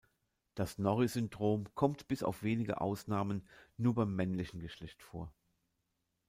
Das Norrie-Syndrom kommt bis auf wenige Ausnahmen nur beim männlichen Geschlecht vor.